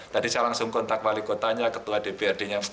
tadi saya langsung kontak wali kotanya ketua dprd nya